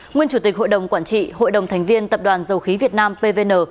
nguyên chủ tịch hội đồng quản trị hội đồng thành viên tập đoàn dầu khí việt nam pvn